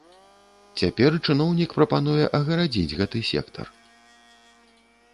Цяпер чыноўнік прапануе агарадзіць гэты сектар.